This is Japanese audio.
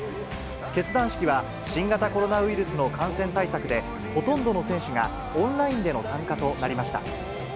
結団式は、新型コロナウイルスの感染対策で、ほとんどの選手がオンラインでの参加となりました。